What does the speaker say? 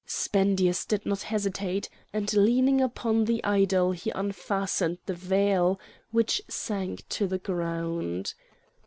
Spendius did not hesitate, and leaning upon the idol he unfastened the veil, which sank to the ground.